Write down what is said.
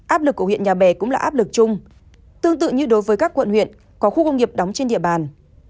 áp lực của huyện nhà bè cũng là áp lực chung tương tự như đối với các quận huyện có khu công nghiệp đóng trên địa bàn